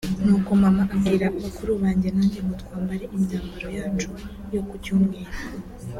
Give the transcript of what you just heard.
nuko mama abwira bakuru banjye nanjye ngo twambare imyambaro yacu yo ku Cyumweru